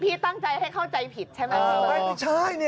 พี่ตั้งใจให้เข้าใจผิดใช่ไหมคุณผู้ชม